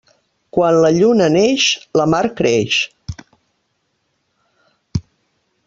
Quan la lluna neix, la mar creix.